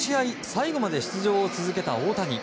最後まで出場を続けた大谷。